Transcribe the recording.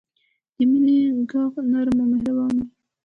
د مینې ږغ نرم او مهربان وي.